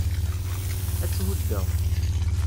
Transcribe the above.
Ad tt-huddeɣ.